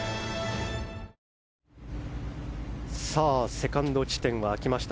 セカンド地点は空きました。